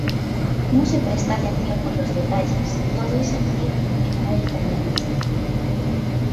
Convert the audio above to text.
No se presta atención por los detalles, todo es acción, envuelta en el misterio.